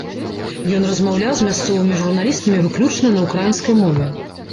Ён размаўляў з мясцовымі журналістамі выключна на ўкраінскай мове.